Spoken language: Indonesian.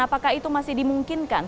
apakah itu masih dimungkinkan